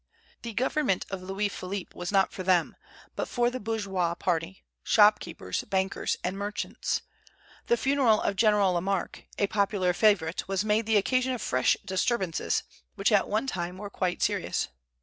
The government of Louis Philippe was not for them, but for the bourgeois party, shop keepers, bankers, and merchants. The funeral of General Lamarque, a popular favorite, was made the occasion of fresh disturbances, which at one time were quite serious.